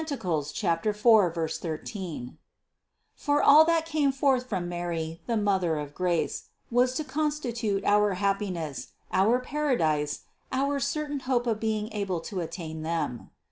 4, 13) ; for all that came forth from Mary, the Mother of grace, was to constitute our happi ness, our paradise, and our certain hope of being able to attain them.